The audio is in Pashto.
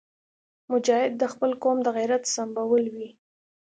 مجاهد د خپل قوم د غیرت سمبول وي.